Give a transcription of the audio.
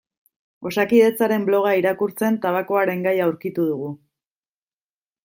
Osakidetzaren bloga irakurtzen tabakoaren gaia aurkitu dugu.